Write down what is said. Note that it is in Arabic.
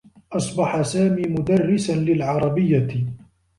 أصبح سامي مدرّسا للعربيّة.